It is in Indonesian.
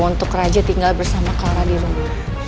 untuk raja tinggal bersama clara di rumah